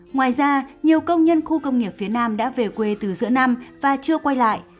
ngoài ra nhiều công nhân khu công nghiệp phía nam đã về quê từ giữa năm và chưa quay lại